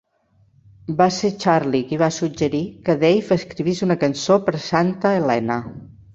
Va ser Charlie qui va suggerir que Dave escrivís una cançó per a Santa Helena.